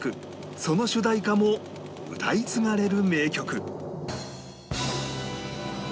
その主題歌も歌い継がれる名曲